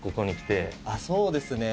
そうですね